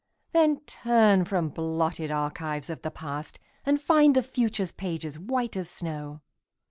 Then turn from blotted archives of the past, And find the future's pages white as snow.